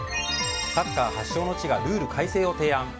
サッカー発祥の地がルール改正を提案。